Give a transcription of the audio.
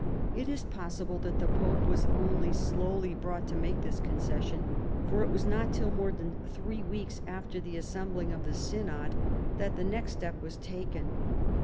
It is possible that the pope was only slowly brought to make this con cession, for it was not till more than three weeks after the assembling of the synod that the next step was taken.